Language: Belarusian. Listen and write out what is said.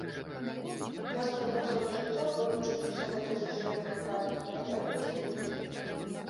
Нас прымусіла жыццё вывучыць усе гэтыя сусветныя практыкі, як дзе судзяць.